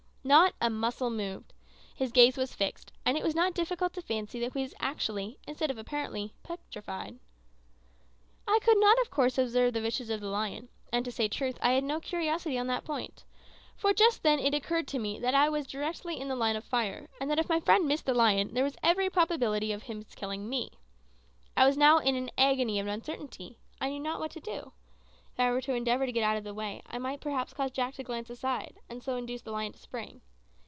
Not a muscle moved; his gaze was fixed; and it was not difficult to fancy that he was actually, instead of apparently, petrified. I could not, of course, observe the visage of the lion, and, to say truth, I had no curiosity on that point; for just then it occurred to me that I was directly in the line of fire, and that if my friend missed the lion there was every probability of his killing me. I was now in an agony of uncertainty. I knew not what to do. If I were to endeavour to get out of the way, I might perhaps cause Jack to glance aside, and so induce the lion to spring.